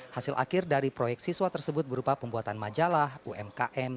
hasil akhir dari proyek siswa tersebut berupa pembuatan majalah umkm